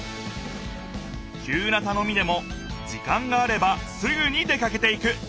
きゅうなたのみでも時間があればすぐに出かけていく。